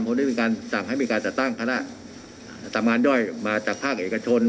ผู้โดยพิการสั่งให้มีการจัดตั้งคณะตามงานด้วยมาจากภาคเอกชน